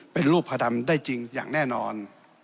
เป็นรูปพระดำได้จริงอย่างแน่นอน